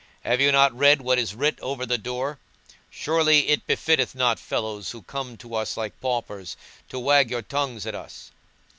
Have you not read what is writ over the door? surely it befitteth not fellows who come to us like paupers to wag your tongues at us."